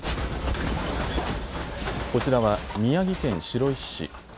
こちらは宮城県白石市。